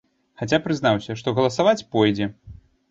Хаця прызнаўся, што галасаваць пойдзе.